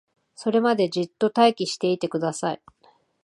それまでじっと待機していてください